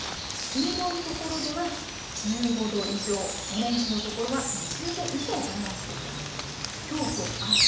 黄色い所では１５度以上、オレンジの所は２０度以上を表しています。